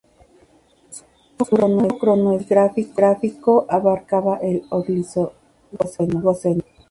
Su rango cronoestratigráfico abarcaba el Oligoceno.